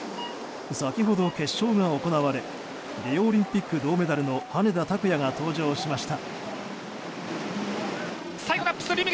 先ほど、決勝が行われリオオリンピック銅メダルの羽根田卓也が登場しました。